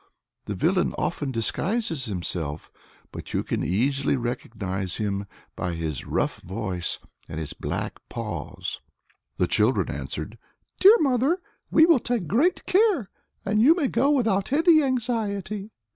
The villain often disguises himself, but you can easily recognise him by his rough voice and black paws." The children answered, "Dear mother, we will take great care; you may go without any anxiety."